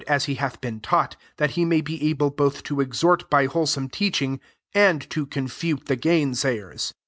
S4r he hath been taught, that he may be able both to exhort by i^holesome teaching, and to con fute the galnsayers.